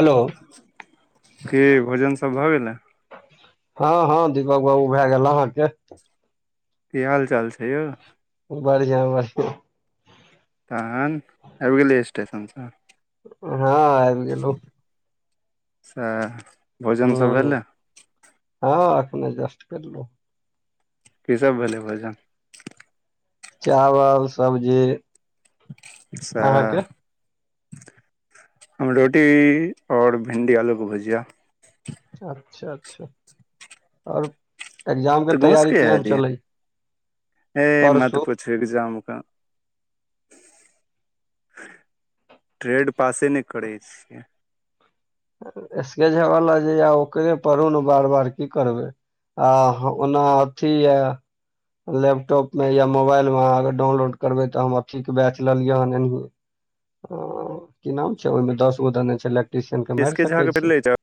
Hello कि भोजन सब भऽ गेलै हँ हँ दीपक बाबू भए गेल अहाँके की हाल चाल छै यौ बढ़ियां बढ़ियां तहन आबि गेलियै स्टेशन सँ हँ आबि गेलौं सैह भोजन सब हूँ भेलै हँ एखने जस्ट करलो की सब भेलै भोजन चावल सब्जी अहाँके सैह हम रोटी और भिन्डी आलू के भुजिया अच्छा अच्छा आओर एग्जाम के तऽ गाँव से तैयारी कहिया केहन एलियै चलै परसू छै एग्जाम एखन ट्रेड पासे नहि करै छियै एसके झा वाला जे यै ओकरे पढू ने बार बार की करबै आ ओना अथी यै लैपटॉप में या मोबाइल मे अहाँ अगर डाउनलोड करबै तऽ हम अथी के बैच लेलियै हन एनहि की नाम छै ओहिमे दस गो देने छै एलैक्ट्री एसके झा के भेलै [unintelligible]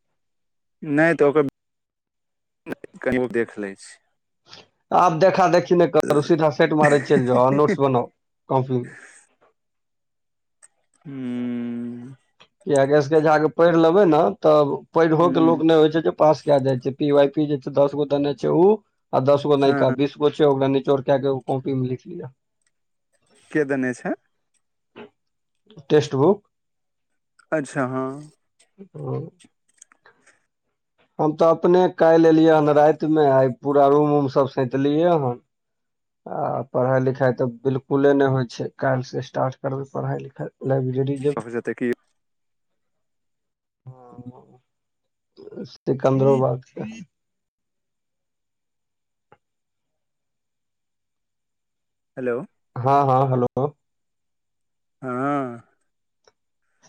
नहि तऽ ओकर कहियौ देख लै छै आब देखा देखी नहि करो सीधा सेट मारै चलि जा नोट्स बनाउ कॉपी मे हू कियैकि एसके झा के पढ़ि लेबै ने तऽ पढ़ो के हूँ लोक नहि होइ छै जे पास कए जाइ छै पी वाई कियु जे छै दस गो देने छै ओ आ दस गो नई का हँ बीस दू गो छै ओकरा नीचोर के कॉपी मे लिख लिया के देने छै टेक्स्ट बुक अच्छा हँ ह हम तऽ अपने काल्हि एलियै हन राति मे आइ पूरा रूम उम सब सैतलियै हन आ पढ़ाई लिखाई तऽ बिलकुले नहि होइ छै काल्हि से स्टारट करबे पढ़ाई लिखाई लाइब्रेरी जेबै जते कि [inaudible] सिकन्दरोबाद छै हेलो हँ हँ हेलो हँ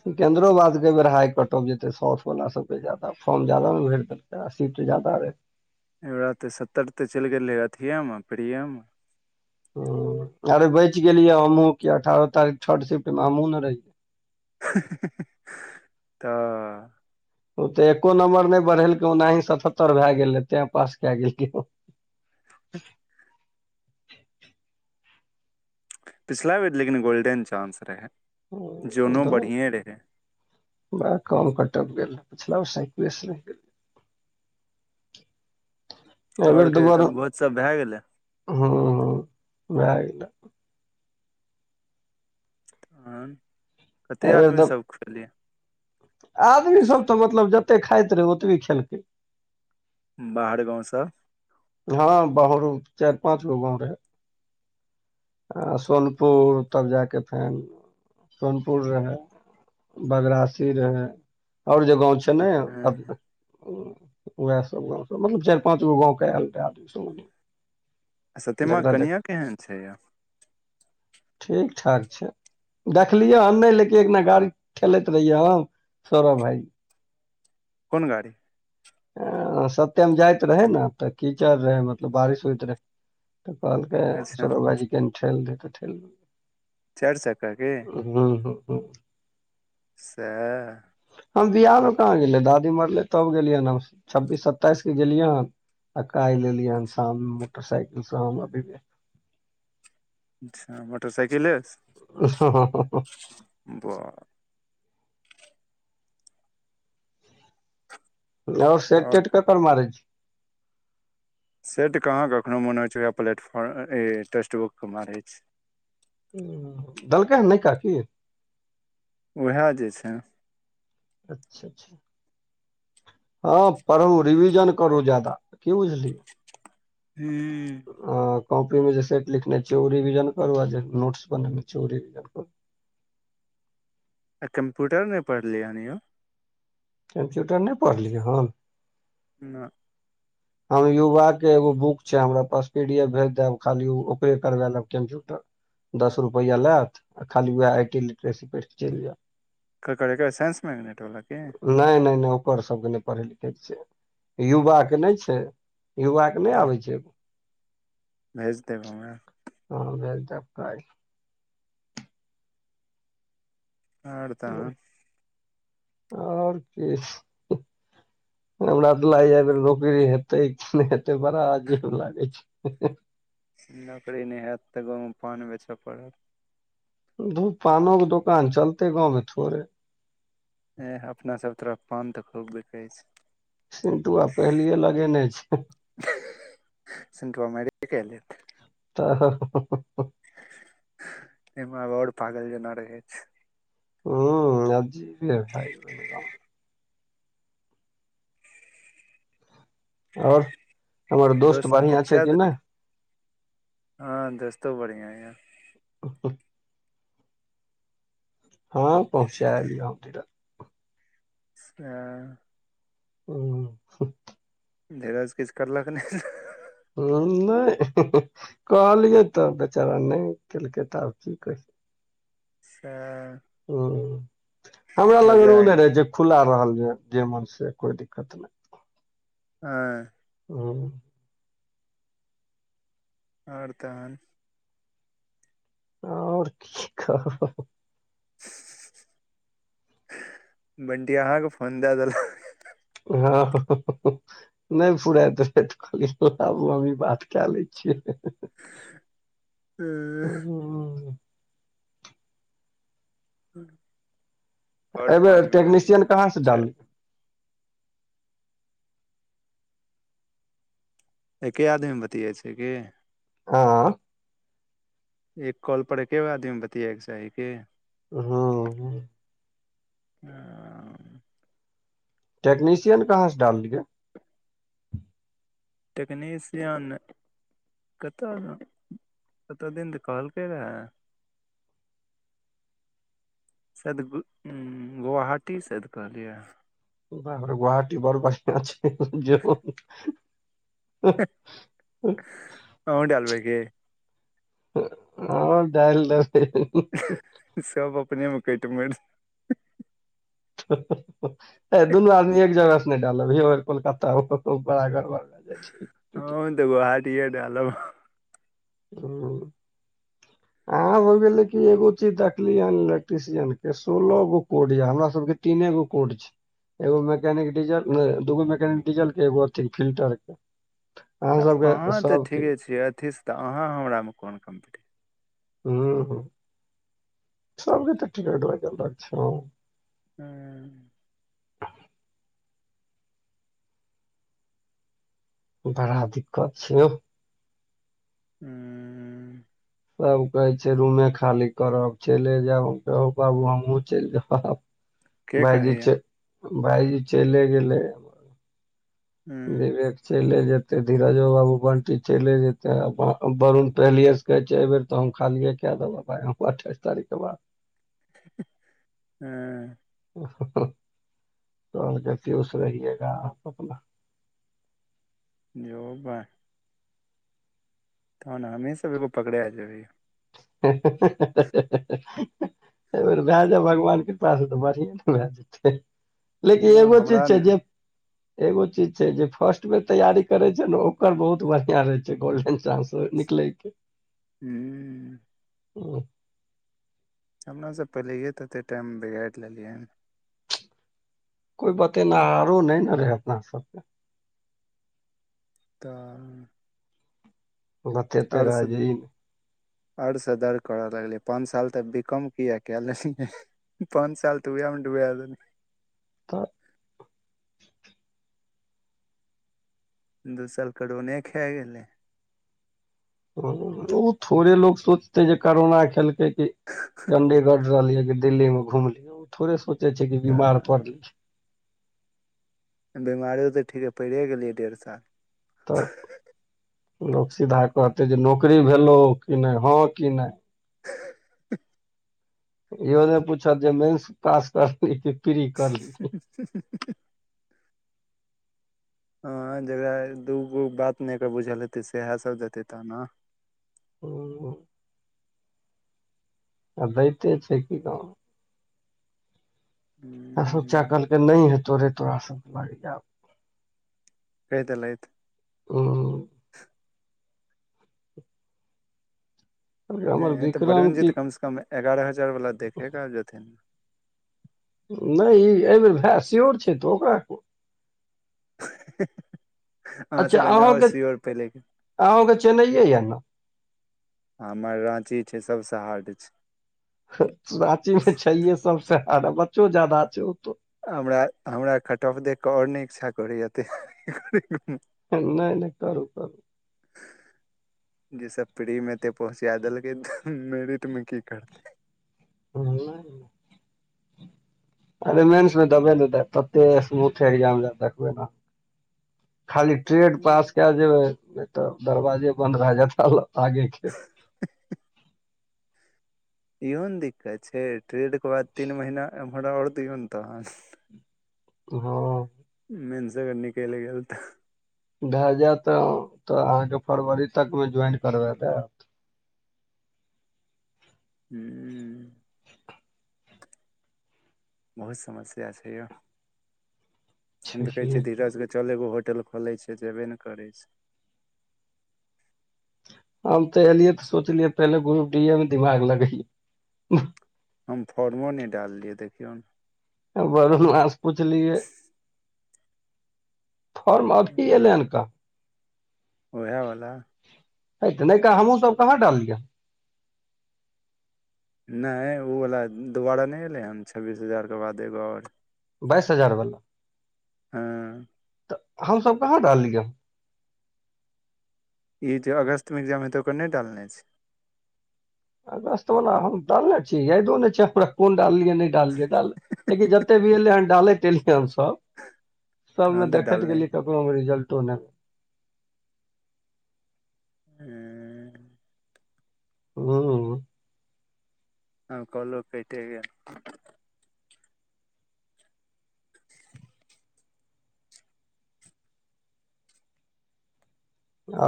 सिकेन्द्रोबादके एहि बेर हाइ कटफ जेतै साथ वाला सबके ज्यादा फॉर्म ज्यादा ने भेट देेलै सीट जादा रहै एहि बेर तऽ सत्तर ते चलि गेल रहे अथिे मे प्रिय मे ह अरे बचि गेलियै हमहुँ क अठारह तारीख छठ शिफ्ट मे हमहुँ ने रहहियै तऽ ओ तऽ एको नम्बर नहि बढ़ेलकै ओनाही सतहत्तर भए गेलै तें पास कऽ गेलियै [unintelligible] पिछला बेेर लेकिन गोल्डेन चानस रहै ओ ओ जोनो तऽ बढ़िए रहै बड़ा कम कटफ गेल रहै पिछला सालसे रहि गेल [inaudible] आओर कहियो तहन भोज सब भए गेलै हूँ भए गेलै आन कते एहि बेर तऽ आदमीसभ खुयैलियै आदमी सब तऽ मतलब जतेक खाइत रहै ओतबी खेलकै बाहर गाँवसँ हँ बहरो चारि पाँच गो गाँव रहे आ सोनपुर तब जाके सोनपुर रहै बदरासी रहै आओर जे गाँव छै तऽ नहि अप उएह सब गाँव के सब मतलब चारि पाँच गो गाँंवके आयल रहे आदमी सब आ सत्यमा के जकरा जकरा कनियाँ केहन छै यौ ठीक ठाक छै देखलियै हम नहि लेेकिन एक दिना गाड़ी ठेलैत रहियै हम सौरभ भाई कोन गाड़ी सत्यम जाइत रहै नऽ तऽ कीचड़ रहै मतलब बारिश होइत रहै तऽ कहलकै अच्छा सौरव भाईजी कनि ठेल दहि तऽ ठेल देलियै चारि चक्का की हूँ हूँ हूँ सैहे हम बियाहमे कहाँ गेलियै दादी मरलै तब गेलियै हन हम छब्बीस सत्ताइस के गेलियै हन आ काल्हि एलियै हन शाम मे मोटरसाइकिल से हम आ विवेक अच्छा मोटरसाइकिले सँ हँ बा आओर सेट तेट ककर मारै छी सेट कहाँ कखनो मोन होइ छै वएह प्लेटफॉर्म ए टेक्स्टबुक पर मारै छियै हँ देलकैन नै काकी उएह जे छै अच्छा अच्छा हँ पढ़ू रिविजन करू ज्यादा की बुझलियै हूँ ओ कॉपी मे जे सेट लिखने छियै ओ रिविजन करू आ जे नोट्स बनेने छियै ओ रिविजन करू आ कम्प्यूटर नहि पढ़लियै हन यौ कम्प्यूटर नहि पढ़लियै हन ना हम युवा के एगो बुक छै हमरा पास पी डी एफ भेज देब खाली ओकरे करबा लेब कम्प्यूटर दस रुपैआ लेत आ खाली वएह आई टी लिटरेसी पढ़िकऽ चलि जेब ककर एकर साइन्स मैगनेट वला की नहि नहि नहि ओकर सब के नहि पढ़ै लिखै के छै युवा के नहि छै युवा के नहि तऽ आबै छै भेज देब हमरा हँ भेज देब काल्हि आओर तऽ आओर किछ हमरा तऽ लागैए जे नौकरी हेत तै कि नै हेतै बड़ा अजीब लागै छै नौकरी नहि हैत तऽ गाँव मे पान बेचय पड़त धू पानो के दोकान चलतै गाँव मे थोड़े एह अपना सब तरफ पान तऽ खूब बिकै छै सिन्टुआ पहिलिये लगेने छै सिन्टुआ माइरे के लेत तऽ हां हां हु हु तहिमे आब आओर पागल जेना रहै छै हूँ आजीब यै भाय [inaudible] आओर हमर तऽ दोस्त के बढ़ियां छै पहुँचे कि नहि देलीयै हँ दोस्तो बढ़ियां ये ऊं हूंह हँ पहुँचे एलियै हन डेरा अच्छा ओ सिट्ट धिरज किछु करलक नहि उं नहि कहलियै तऽ बेचारा नहि केलकै तऽ आब की कहि सकै सेह हूँ हमरा लगन ओ नहि रहै जे खुल्ला रहल जे मोन से कोई दिक्कत नहि हँ हुँ आओर तहन आओर की कहबै बंटिया अहाँ के फोन दऽ देलक हँ नहि फुराइत रहै तऽ कहलियै लाबू हमहि बात कै लैत छियै हँ हूंम् हँ एबे टेक्निशियन यऽ कहाँ से चलू डालली एके आदमी बतियाइ छै की आंय ई कॉल पर एके गो आदमी बतियाए के चाही की हुँ ओ टेक्नीशियन कहाँ से डाललियै टेक्नीशियन कतऽ कतऽ दिन तऽ कहलकै रहै शायद गुआहाटी शायद कहलियै अहाँ बाप रौ गुआहाटी बड़ बढ़ियां छै जेहो अहूँ डालबै की हँ डाइल दैबै सब अपनेमे कटि मरि हेय दुनू आदमी एक जगह से नहि डालब यौ कोलकाता आओर कतौ बड़ा गड़बड़ भे जायछी हमहुँ तऽ गुआहाटीेए डालब हँ अहाँ सब के लेकिन एगो चीज देखलिय हन इलेक्ट्रिशियन के सोलह गो कोड ऐ हमरा सब के तीने गो कोड छै एगो मैकेनिक डीजल नै दूगो मैकेनिक डीजल के एगो अथि फिल्टर के अहाँ तऽ सबके अहाँ तऽ सबके ठीके छियै अथी से तऽ अहाँ हमरा मे कोन कम्पटीसन हूँ हूँ सबके तऽ ठीक लागै छै हूँ बड़ा दिक्कत छै यो हूँ सब कहै छै रूमे खाली करब चैले जाएब हम कहलियै हौ बाबू हमहुँ चलि जाएब के भाइजी कहैया चलि भाइजी चलिये गेलै हूँ विवेक चैले जेतै धीरजो बाबू बंटी चैले जेतै वरुन पहिलिये से कहै छै एहि बेेर तऽ हम खालिए कए देबै भाइ हम अट्ठाइस तारीख के बाद हें कहलकै पियूस रहिएगा आप अपना जो बहि तहन हमे सब एगो पकड़ा जेबै हँ हँ हह हँ आइर बे भे ज़ोऊ भगवान कृपा से तऽ बढ़िए ने छै लेकिन नहि एगो चीज हमरा छै नहि जे एगो चीज छै जे फर्स्ट बेर तैयारी करे छै ने ओकर बहुत बढ़िया रहे छै गोल्डेन चान्स निकले के हुँ हुँ हमरा से पहिलेे तऽते टाइम बिगाड़ि लेलियै हन कोइ बतेनआरो नहि ने रहे अपना सब के तऽ बतेते आओर रहे सब जे ई नहि। आओर से दर्द करऽ लगलै पाँच साल तऽ बीकॉम किया क लेलियै पाँच साल तू उहै में ड्डबा देल्ही तऽ दू साल कोरोने खा गेलै ओ थोड़े लोग सोचते जे करोना खेलकै क चंडीगढ़ रहलियै दिल्ली मे घुमली ओ थोड़े सोचे छै की बीमार तऽ पड़लिए बेमारो तऽ ठीकइ पड़ि गेलियै डेढ़ साल तऽ लोक सीधा कहतै जे नौकरी भेलो कि नहि हँ कि नहि हँ हँ हह इहो नहि पूछत जे मेन्स पास करली कि पिरी कर ली हँ हँ हहह हँ जकरा दूगो बात नहिर बुझल हेतै सएह सभ देतै ताना ओ [inaudible] आ दैते छै कि गाँउ में हू [inaudible] सचा कल के नहि हेतो रे तोरा सब कहि देलथि हुँ हमर नहि तऽ विक्रम बरुन जी की तऽ कम से कम एगारह हजार वाला देखे कऽ आईएब जेथिन नहि ई एहि बेर भाय सियोर छै तऽ ओकरा हँ हँ हुँ हह अच्छा अहुँ के अहुँ के चेन्नइए यऽ ने हमर राँची छै सभ से हार्ड छै राँची मे छैहिऐ सबसे हर्ड आ बच्चो जदाअ छै ओतो हमरा हमरा खअफ देख कऽ आओर नहि इच्छा करैएअ तैयारी करैऐ ह हह न य ने करु करु जैस प्री मे ते पहुँचा देलकै त मेरिट में की करते हुँ अरे मेन्स मे देबे ने तते स्मूथ एग्यजाम देखबै ने खाली ट्रेड पास क जेबै तऽ दरवाजे बंन्द रह जेता आगे के इहो ने दिक्कत छै ट्रेड के बाद तीन महीना एम्मार ओर दो ने तहन हँ मेंस अगर निकलि गेल तऽ भए जायत तऽ अहाँके फरवरी तकमे ज्वइन करबा देअत हुँ बहुत समस्या छै यो हम कहै छियै देब धीरज कें चल एगो होटल खोलै छै जेबे ने करै छै हम तऽ एलियै तऽ सोचलियै पहिले ग्रुप डी मे दिमाग लगै हम फॉर्मो नहि डाललियै देखियौ न वरुणमा सँ पुछलियै फर्म अभी एलै हन काहां ओएहावला ह तऽ नैएकऽ हमहूँसभ सब कहाँ डाललियै नहि ओवला दोबारा नहि अयलै हन छब्बीस हजारके बाद एगो आओर बाइस हजार बला हँ हमसभ कहाँ डाललियै ई जे अगस्त में एग्जाम हेते ओकर नहि डालने छै अगस्त बला हम डालने छीै यादों नाई छ हमरा कोन डाललियै नहि डाललिय डाल जते भी एलै हन डालैत एलियै हनसभ तहन सबमे तऽ देखैत डालने गेली ककरो मे रिजल्टो नहि ऐं हुँ आब कॉलो कैटे गेल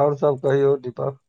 आओर सब कहियौ दीपक